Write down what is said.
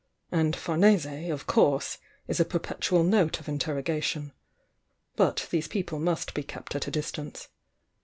And Famese, of course, is a perpetual note of interrogation. But these people must be kept at a distance.